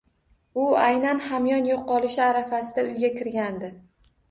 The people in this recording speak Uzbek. U aynan hamyon yoʻqolishi arafasida uyiga kirgandi